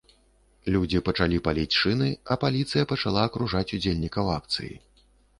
Людзі пачалі паліць шыны, а паліцыя пачала акружаць удзельнікаў акцыі.